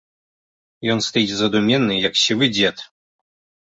Ён стаіць задуменны, як сівы дзед.